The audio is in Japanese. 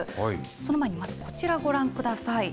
その前にまず、こちらご覧ください。